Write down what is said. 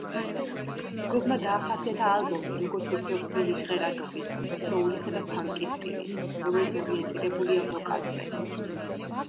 ჯგუფმა დაახასიათა ალბომი, როგორც უფრო რბილი ჟღერადობის, სოულისა და ფანკის სტილის, რომელიც ორიენტირებულია ვოკალზე.